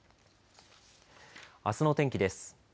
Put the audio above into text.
あすの天気です。